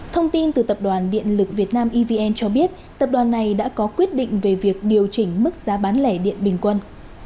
thông tin từ tập đoàn điện lực việt nam evn cho biết tập đoàn này đã có quyết định về việc điều chỉnh mức giá bán lẻ điện bình quân